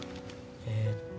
えっと